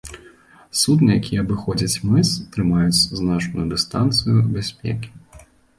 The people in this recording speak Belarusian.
Судны, якія абыходзяць мыс, трымаюць значную дыстанцыю бяспекі.